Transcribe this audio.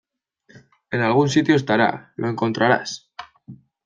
En algún sitio estará. Lo encontrarás .